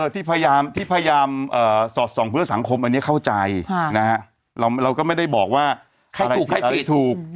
ที่พยายามสอดส่องเพื่อสังคมอันนี้เข้าใจเราก็ไม่ได้บอกว่าใครถูกใครผิด